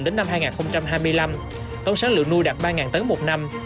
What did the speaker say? đến năm hai nghìn hai mươi năm tổng sản lượng nuôi đạt ba tấn một năm